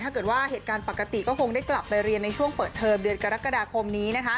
เหตุการณ์ปกติก็คงได้กลับไปเรียนในช่วงเปิดเทอมเดือนกรกฎาคมนี้